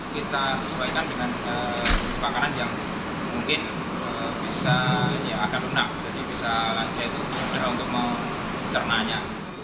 kita sesuaikan dengan makanan yang mungkin bisa yang akan renang jadi bisa lansia itu sudah untuk mencernanya